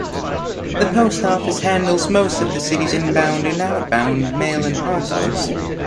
The post-office handles most of the city's inbound and outbound mail and parcels.